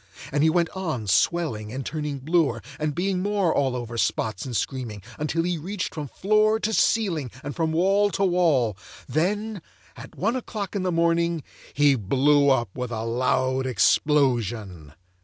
And he went on swelling and turning bluer, and being more all over spots and screaming, until he reached from floor to ceiling and from wall to wall; and then, at one o'clock in the morning, he blew up with a loud explosion.